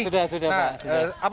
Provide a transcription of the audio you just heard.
sudah sudah pak